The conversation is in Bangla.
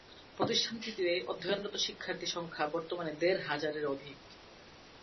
প্রতিষ্ঠানটিতে অধ্যয়নরত শিক্ষার্থী সংখ্যা বর্তমানে দেড় হাজারের অধিক।